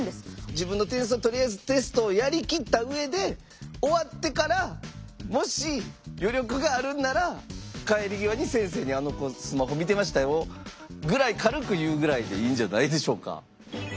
自分の点数をとりあえずテストをやりきった上で終わってからもし余力があるんなら帰り際に先生に「あの子スマホ見てましたよ」ぐらい軽く言うぐらいでいいんじゃないでしょうか。